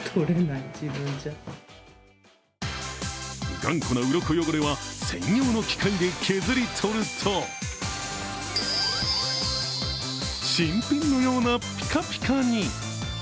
頑固なうろこ汚れは専用の機械で削り取ると、新品のようなピカピカに。